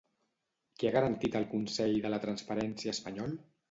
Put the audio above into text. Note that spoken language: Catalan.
Què ha garantit el Consell de la Transparència espanyol?